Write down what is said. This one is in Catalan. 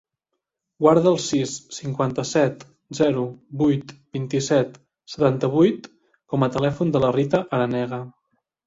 Guarda el sis, cinquanta-set, zero, vuit, vint-i-set, setanta-vuit com a telèfon de la Rita Aranega.